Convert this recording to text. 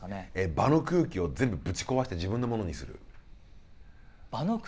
場の空気をぶち壊して自分のものにする。